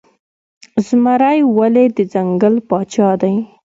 زمری ولې د ځنګل پاچا دی؟